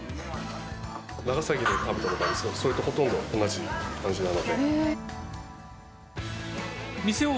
長崎でも食べたことあるんですけれども、それとほとんど同じ感じだなと。